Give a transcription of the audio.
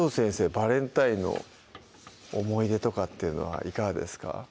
バレンタインの思い出とかっていうのはいかがですか？